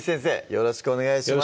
よろしくお願いします